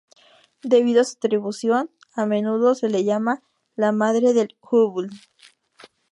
Debido a su contribución, a menudo se le llama la "Madre del Hubble".